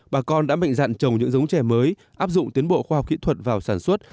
bà con đã mệnh dặn trồng những giống trè mới áp dụng tiến bộ khoa học kỹ thuật vào sản xuất